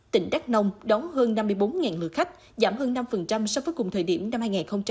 tỉnh đắk nông đóng hơn năm mươi bốn lượt khách giảm hơn năm sau cuối cùng thời điểm năm hai nghìn hai mươi ba